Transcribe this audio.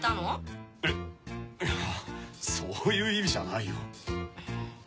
えっ⁉いやそういう意味じゃないよ。